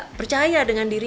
tidak percaya dengan diri